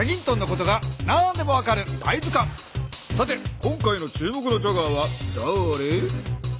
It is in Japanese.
さて今回の注目のチャガーはだれ？